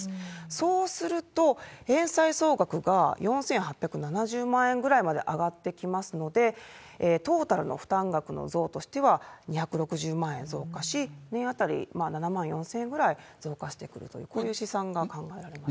そうすると、返済総額が４８７０万円ぐらいまで上がってきますので、トータルの負担額の増としては２６０万円増加し、年あたり７万４０００円ぐらい増加してくるという、こういう試算が考えられます。